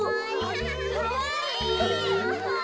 かわいい。